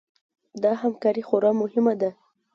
دا همکاري خورا مهمه وه.